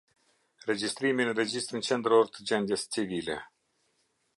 Regjistrimi në Regjistrin qendror të gjendjes civile.